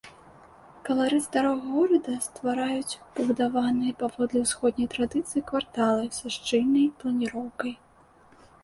Каларыт старога горада ствараюць пабудаваныя паводле ўсходняй традыцыі кварталы са шчыльнай планіроўкай.